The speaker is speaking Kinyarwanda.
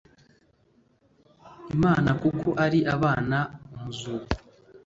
b Imana kuko ari abana b umuzuko